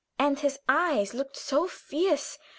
and his eyes looked so fierce.